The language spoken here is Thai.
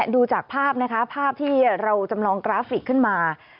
ดูจากภาพนะคะภาพที่เราจำลองกราฟิกขึ้นมา